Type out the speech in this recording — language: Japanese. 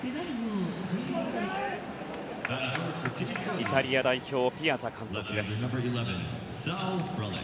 イタリア代表ピアザ監督です。